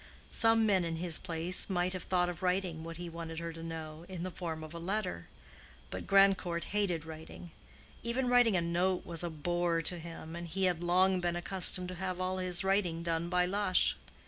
Some men in his place might have thought of writing what he wanted her to know, in the form of a letter. But Grandcourt hated writing: even writing a note was a bore to him, and he had long been accustomed to have all his writing done by Lush.